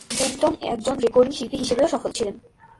Benton একজন recording শিল্পী হিসেবেও সফল ছিলেন।